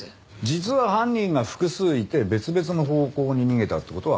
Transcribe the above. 実は犯人が複数いて別々の方向に逃げたって事は考えられない？